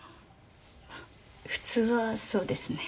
まあ普通はそうですね。